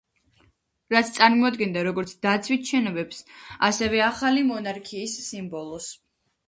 რაც წარმოადგენდა როგორც დაცვით შენობებს, ასევე ახალი მონარქიის სიმბოლოს.